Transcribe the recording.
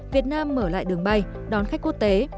việt nam mở lại đường bay đón khách quốc tế